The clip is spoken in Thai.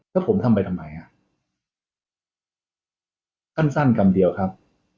แล้วผมทำไปทำไมขั้นสั้นกรรมเดียวครับ